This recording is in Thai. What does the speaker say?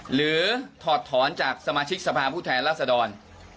หรือถอดถอนจากสมาชิกสภาผู้แทนราษฎร